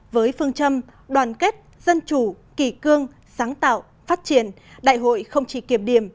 với phương châm đoàn kết dân chủ kỳ cương sáng tạo phát triển đại hội không chỉ kiểm điểm